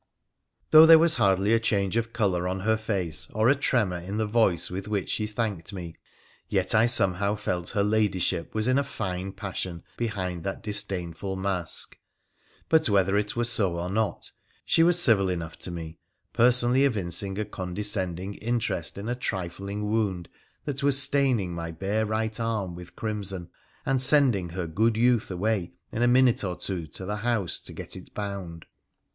Though there was hardly a change of colour on her face or a tremor in the voice with which she thanked me, yet I somehow felt her ladyship was in a fine passion behind that disdainful mask. But whether it were so or not, she was civil enough to me, personally evincing a condescending interest in a trifling wound that was staining my bare right arm with crimson, and sending her ' good youth ' away in a minute or two to the house to get it bound.